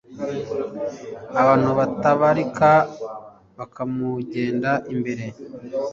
abantu batabarika bakamugenda imbere